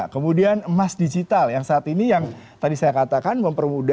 kemudian emas digital yang saat ini yang tadi saya katakan mempermudah para anak muda